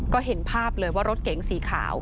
ก็เห็นภาพเลยว่ารถเก๋งสีขาว